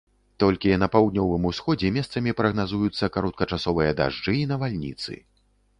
Толькі на паўднёвым усходзе месцамі прагназуюцца кароткачасовыя дажджы і навальніцы.